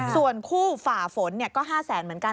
ส่วนคู่ฝ่าฝนก็๕แสนเหมือนกัน